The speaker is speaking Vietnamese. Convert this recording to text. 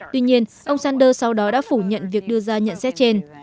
tuy nhiên ông sanders sau đó đã phủ nhận việc đưa ra nhận xét trên